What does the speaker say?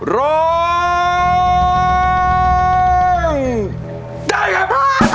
ร้องได้ครับ